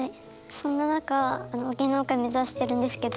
そんな中芸能界目指してるんですけど。